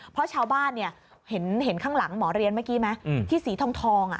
เพราะชาวบ้านเห็นข้างหลังหมอเรียนเมื่อกี้ไหมที่สีทอง